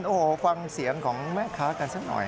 โอ้โหฟังเสียงของแม่ค้ากันสักหน่อย